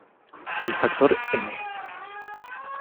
El factor "N"!